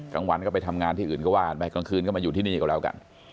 กลางวันก็ไปทำงานที่อื่นก็ว่ากันไปกลางคืนก็มาอยู่ที่นี่ก็แล้วกัน